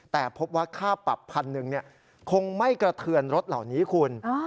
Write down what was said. แต่พบว่าค่าปรับพันหนึ่งคงไม่กระเทือนรถเหล่านี้คุณ